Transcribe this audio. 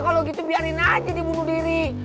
kalau gitu biarin aja dia bunuh diri